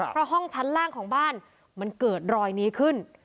เพราะห้องชั้นล่างของบ้านมันเกิดรอยนี้ขึ้น